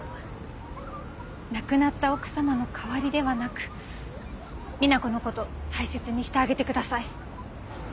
亡くなった奥様の代わりではなくみな子の事大切にしてあげてください。